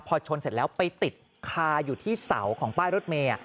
พอชนเสร็จแล้วไปติดคาอยู่ที่เสาของป้ายรถเมย์